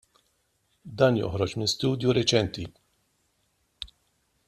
Dan joħroġ minn studju riċenti.